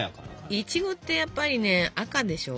いちごってやっぱりね赤でしょ。